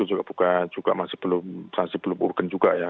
juga masih belum urgen juga ya